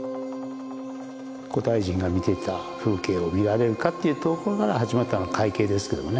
古代人が見ていた風景を見られるかというところから始まったのが「海景」ですけどもね。